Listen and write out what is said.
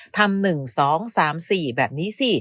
ทำ๑๒๓๔แบบนี้สิ